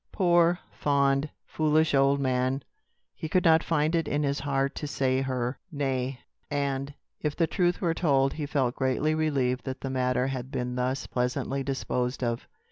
Poor, fond, foolish old man! He could not find it in his heart to say her nay. And, if the truth were told, he felt greatly relieved that the matter had been thus pleasantly disposed of.